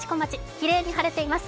きれいに晴れています。